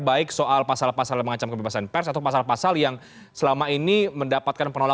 baik soal pasal pasal yang mengancam kebebasan pers atau pasal pasal yang selama ini mendapatkan penolakan